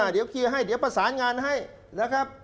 เดี๋ยวเคลียร์ให้เดี๋ยวประสานงานให้นะครับ